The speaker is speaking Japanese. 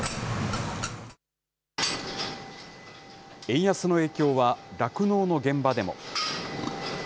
円安の影響は、酪農の現場でも。